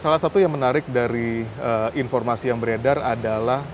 salah satu yang menarik dari informasi yang beredar adalah